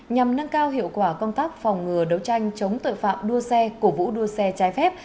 nhằm nâng cao hiệu quả công tác phòng ngừa đấu tranh chống tội phạm đua xe cổ vũ đua xe trái phép